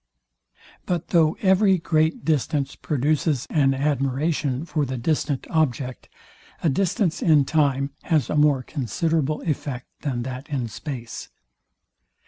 But though every great distance produces an admiration for the distant object, a distance in time has a more considerable effect than that in space.